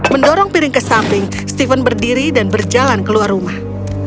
mendorong piring ke samping stephen berdiri dan berjalan keluar rumah